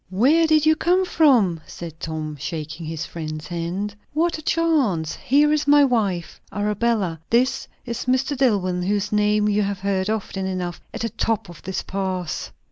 "Where did you come from?" said Tom, shaking his friend's hand. "What a chance! Here is my wife. Arabella, this is Mr. Dillwyn, whose name you have heard often enough. At the top of this pass!